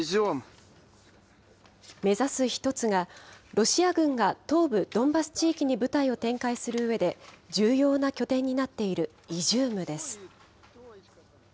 目指す１つが、ロシア軍が東部ドンバス地域に部隊を展開するうえで、重要な拠点になっているイジュームです。